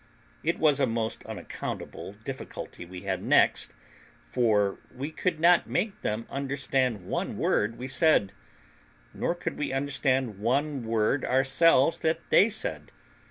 It was a most unaccountable difficulty we had next; for we could not make them understand one word we said, nor could we understand one word ourselves that they said.